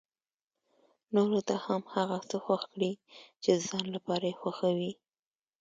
نورو ته هم هغه څه خوښ کړي چې د ځان لپاره يې خوښوي.